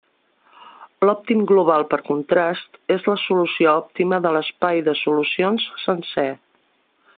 L'òptim global per contrast, és la solució òptima de l'espai de solucions sencer.